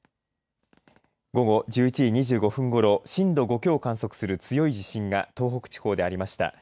午後１１時２５分ごろ震度５強を観測する強い地震が東北地方でありました。